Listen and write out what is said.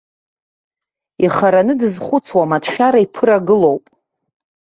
Ихараны дызхәыцуам, аҭшәарра иԥырагылоуп.